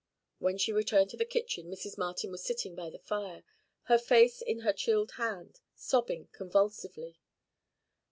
When she returned to the kitchen Mrs. Martin was sitting by the fire, her face in her chilled hand, sobbing convulsively.